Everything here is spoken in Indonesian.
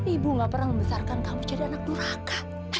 ibu gak pernah membesarkan kamu jadi anak duraka